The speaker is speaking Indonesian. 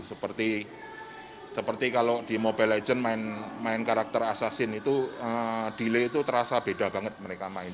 seperti kalau di mobile legends main karakter asasin itu delay itu terasa beda banget mereka main